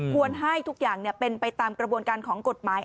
ให้ทุกอย่างเป็นไปตามกระบวนการของกฎหมาย